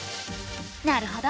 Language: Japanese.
なるほど。